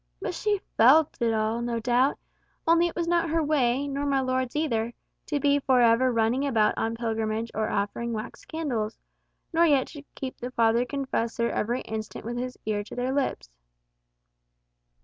But she felt it all, no doubt; only it was not her way, nor my lord's either, to be for ever running about on pilgrimage or offering wax candles, nor yet to keep the father confessor every instant with his ear to their lips."